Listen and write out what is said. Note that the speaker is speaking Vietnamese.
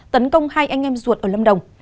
tấn công hai anh em ruột ở lâm đồng